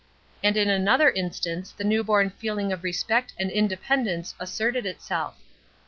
And in another instance the new born feeling of respect and independence asserted itself.